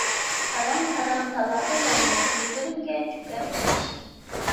تارام تارام تالادا يامغۇر كۆزلىرىمگە چۆكەر بىر كىشى.